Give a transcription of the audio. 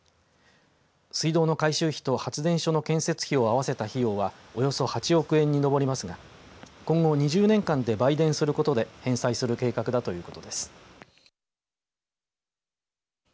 水道の改修費と発電所の建設費を合わせた費用はおよそ８億円に上りますが今後２０年間で売電することで返済する計画だということです。